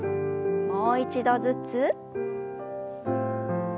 もう一度ずつ。